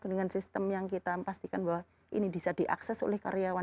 dengan sistem yang kita pastikan bahwa ini bisa diakses oleh karyawan